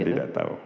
saya tidak tahu